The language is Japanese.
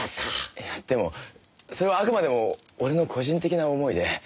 いやでもそれはあくまでも俺の個人的な思いで。